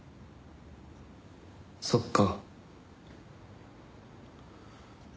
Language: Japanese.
そっか。